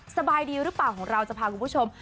สบายดีหรือเปล่าของเราจะพาคุณผู้ชม